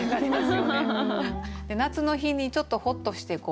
夏の日にちょっとほっとして。